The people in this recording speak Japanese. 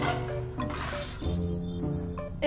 え？